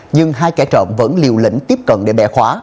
nhưng hai kẻ trộm vẫn liều lĩnh tiếp cận để bẻ khóa